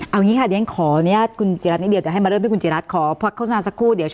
เอาอย่างนี้ค่ะขออนุญาตคุณจิรัตินิดเดียวแต่ให้มาเริ่มที่คุณจิรัติขอข้อสนานสักครู่